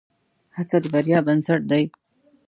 هڅه د بریا بنسټ دی.